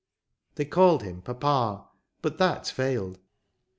They called him Papa ;*' but that failed.